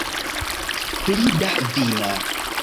Pli da vino